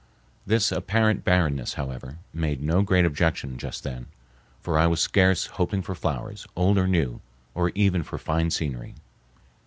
This apparent barrenness, however, made no great objection just then, for I was scarce hoping for flowers, old or new, or even for fine scenery.